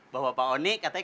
bahwa pak onyek katanya